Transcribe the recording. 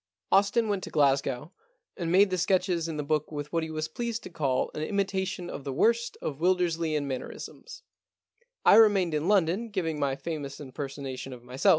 Austin went to Glasgow, and made the sketches in the book with what he was pleased to call an imitation of the worst of the Wildersleian mannerisms. I remained in London giving my famous impersonation of myself.